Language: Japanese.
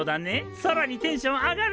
さらにテンション上がるだろ？